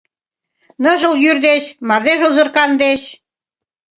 Ныжыл йӱр деч, мардеж-озыркан деч